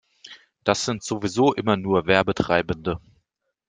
Das sind sowieso immer nur Werbetreibende.